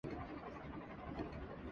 اب ایک آدھ ٹیسٹ ہوا ہے، مزید ہونے ہیں۔